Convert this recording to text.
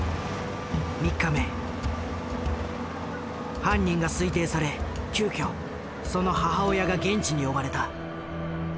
犯人が推定され急遽その母親が現地に呼ばれた。